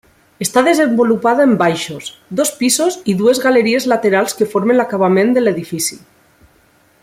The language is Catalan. Està desenvolupada en baixos, dos pisos i dues galeries laterals que formen l'acabament de l'edifici.